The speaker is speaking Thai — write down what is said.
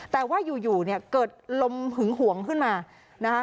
แต่ว่าอยู่เนี่ยเกิดลมหึงหวงขึ้นมานะคะ